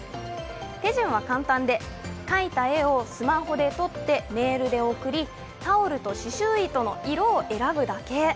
手順は簡単で、描いた絵をスマホで撮ってメールで送り、タオルと刺しゅう糸の色を選ぶだけ。